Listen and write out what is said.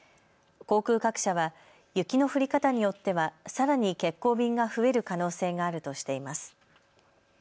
航空各社は雪の降り方によってはさらに欠航便が増える可能性があるとしています。